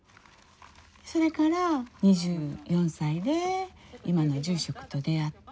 それから２４歳で今の住職と出会って。